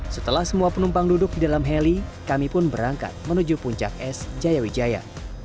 setelah semua penumpang duduk di dalam heli kami pun berangkat menuju puncak es jayawijaya